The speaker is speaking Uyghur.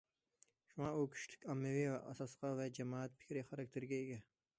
شۇڭا، ئۇ كۈچلۈك ئاممىۋى ئاساسقا ۋە جامائەت پىكرى خاراكتېرىگە ئىگە.